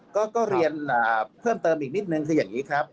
ก็เรียนเพิ่มเติมอีกนิดนึงคืออย่างนี้ครับ